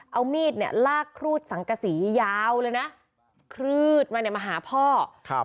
เอามีดเนี่ยลากครูดสังกษียาวเลยนะคลืดมาเนี่ยมาหาพ่อครับ